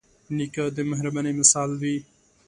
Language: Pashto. نیکه د مهربانۍ مثال وي.